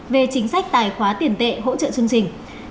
về chính sách tài khoá tiền tệ hỗ trợ chương trình